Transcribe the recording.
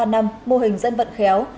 ba năm mô hình dân vận khéo